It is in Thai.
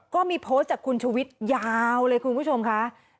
ก็มีโพสต์จากคุณชุวิตยาวเลยคุณผู้ชมค่ะ